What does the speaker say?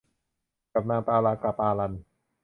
กับนางตาลากะปาลัน